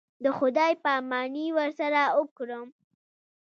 د خداى پاماني ورسره وكړم.